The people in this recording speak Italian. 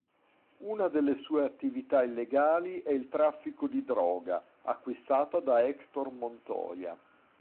Una delle sue attività illegali è il traffico di droga, acquistata da Hector Montoya.